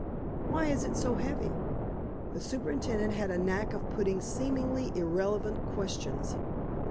"Why is it so heavy?" The superintendent had a knack of putting seemingly irrelevant questions.